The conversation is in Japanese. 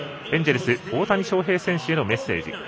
エンジェルス、大谷翔平選手へのメッセージ